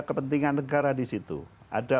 kepentingan negara di situ ada